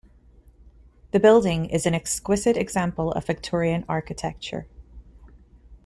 The building is an exquisite example of Victorian architecture.